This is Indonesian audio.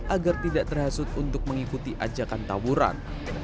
agar tidak terhasut untuk mengikuti ajakan tawuran